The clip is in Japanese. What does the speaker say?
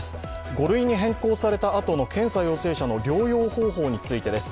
５類に変更されたあとの検査陽性者の療養方法についてです。